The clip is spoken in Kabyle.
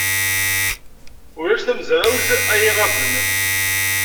Ulac tamezrawt ay iɣaben.